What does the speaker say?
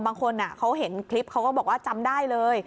บางคนเขาเห็นคลิปเขาก็บอกว่าจำได้เลย